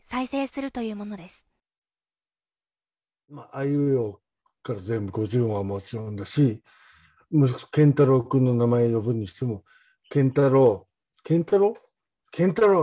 「あいうえお」から全部５０音はもちろんだし謙太郎くんの名前を呼ぶにしても「謙太郎」「謙太郎？」